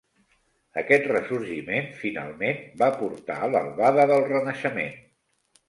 Aquest ressorgiment, finalment, va portar a l'albada del Renaixement.